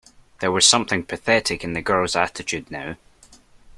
There was something pathetic in the girl's attitude now.